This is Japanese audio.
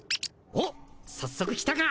おっさっそく来たか！